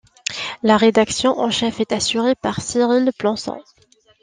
La rédaction en chef est assurée par Cyrille Planson.